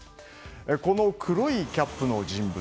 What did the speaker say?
この黒いキャップの人物。